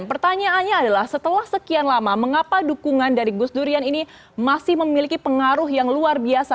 pertanyaannya adalah setelah sekian lama mengapa dukungan dari gus durian ini masih memiliki pengaruh yang luar biasa